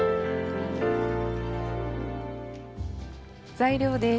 材料です。